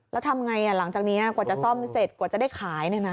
แล้วทำไงหลังจากนี้กว่าจะซ่อมเสร็จกว่าจะได้ขาย